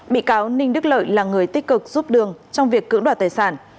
bị cáo ninh đức lợi là người tích cực giúp đường trong việc cưỡng đoạt tài sản